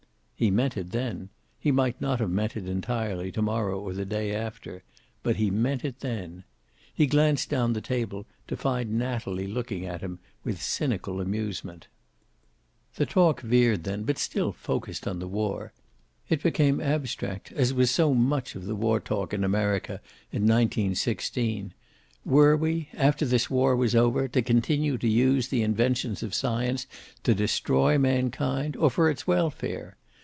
He meant it then. He might not have meant it, entirely, to morrow or the day after. But he meant it then. He glanced down the table, to find Natalie looking at him with cynical amusement. The talk veered then, but still focused on the war. It became abstract as was so much of the war talk in America in 1916. Were we, after this war was over, to continue to use the inventions of science to destroy mankind, or for its welfare?